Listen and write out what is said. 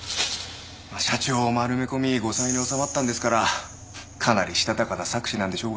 社長を丸め込み後妻に収まったんですからかなりしたたかな策士なんでしょうが。